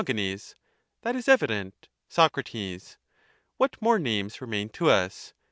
That is evident. Soc. What more names remain to us?